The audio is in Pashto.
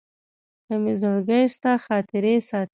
که مي زړګي ستا خاطرې ساتي